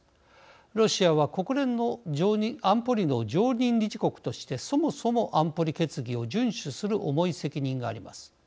ロシアは安保理の常任理事国としてそもそも安保理決議を順守する重い責任があります。